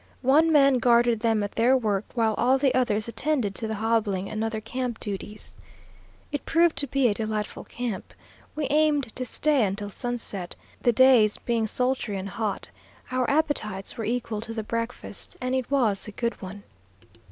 One man guarded them at their work, while all the others attended to the hobbling and other camp duties. It proved to be a delightful camp. We aimed to stay until sunset, the days being sultry and hot. Our appetites were equal to the breakfast, and it was a good one.